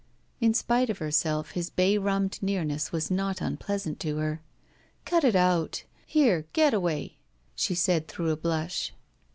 In spite of herself, his bay rummed nearness was not unpleasant to her. "Cut it out — ^here, Geta way," die said through a blush.